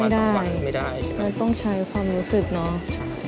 ไม่ได้ไม่ใช่ใช่มันต้องใช้ความรู้สึกเนาะ